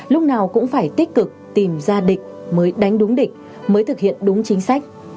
lúc nào cũng phải tích cực tìm ra địch mới đánh đúng địch mới thực hiện đúng chính sách